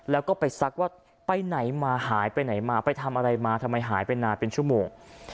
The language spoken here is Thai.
แล้วก็ไปซักว่าไปไหนมาหายไปไหนมาไปทำอะไรมาทำไมหายไปนานเป็นชั่วโมง